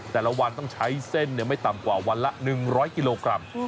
แต่ละวันต้องใช้เส้นไม่ต่ำกว่าวันละ๑๐๐กิโลกรัม